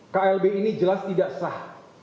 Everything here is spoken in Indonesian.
klb ini jelas tidak sah